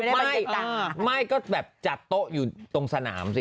ไม่ไม่ก็แบบจัดโต๊ะอยู่ตรงสนามสิ